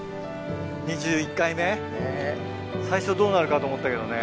２１回目最初どうなるかと思ったけどね。